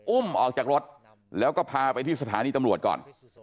อุ้มออกจากรถแล้วก็พาไปที่สถานีตำรวจก่อน